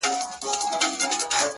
o هغه زما خبري پټي ساتي؛